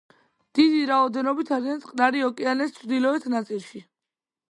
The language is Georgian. დიდი რაოდენობით არიან წყნარი ოკეანის ჩრდილოეთ ნაწილში.